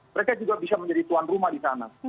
mereka juga bisa menjadi tuan rumah di sana